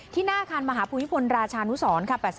หน้าอาคารมหาภูมิพลราชานุสรค่ะ